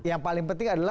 yang paling penting adalah